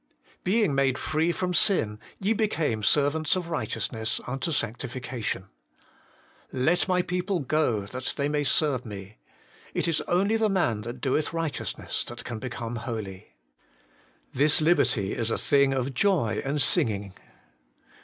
5. ' Being made free from sin, ye became servants of righteousness unto sanctification.' 'Let my people go, that they may serve me.' It is only the man that doeth righteousness that can become holy. 6. This liberty is a thing of Joy and singing.